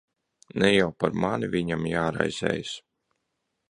Ne jau par mani viņam jāraizējas.